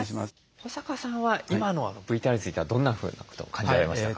保坂さんは今のＶＴＲについてはどんなふうなことを感じられましたか？